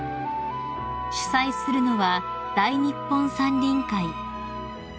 ［主催するのは大日本山林会］